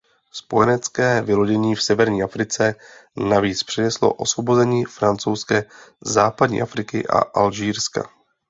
Spojenecké vylodění v severní africe navíc přineslo osvobození Francouzské západní afriky a Alžírska.